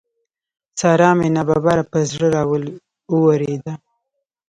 سارا مې ناببره پر زړه را واورېده.